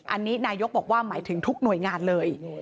อันนี้นายกบอกว่าหมายถึงทุกหน่วยงานเลย